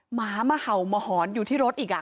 หมาเห่าเหมาหอนอยู่ที่รถอีกอ่ะ